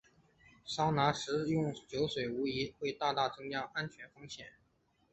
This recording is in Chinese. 桑拿时食用酒水无疑会大大增加安全风险。